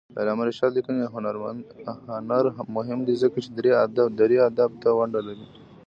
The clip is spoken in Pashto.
د علامه رشاد لیکنی هنر مهم دی ځکه چې دري ادب ته ونډه لري.